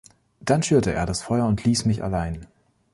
Dann schürte er das Feuer und ließ mich allein.